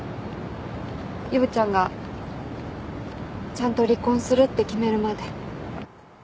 陽ちゃんがちゃんと離婚するって決めるまで。